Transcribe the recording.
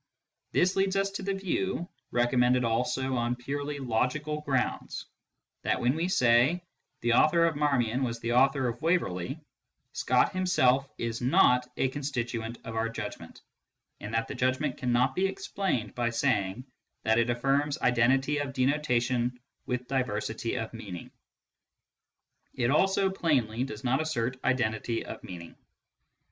This leads us to the view (recommended also on purely logical grounds) that when we say " the author of Marmion was the author of Waverley," Scott himself is not a constituent of our judgment, and that the judgment cannot be explained by saying that it affirms identity of denotation with diversity of meaning. It also, plainly, does not assert identity of meaning.